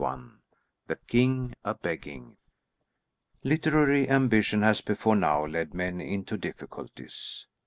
'"] THE KING A BEGGING Literary ambition has before now led men into difficulties.